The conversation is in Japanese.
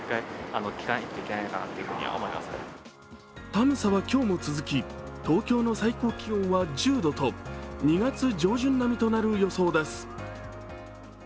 寒さは今日も続き東京の最高気温は１０度と２月上旬並みとなる予想です。